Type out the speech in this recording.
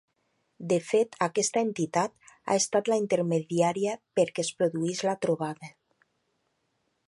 De fet, aquesta entitat, ha estat la intermediària perquè es produís la trobada.